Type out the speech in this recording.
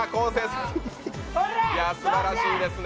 いや、すばらしいですね。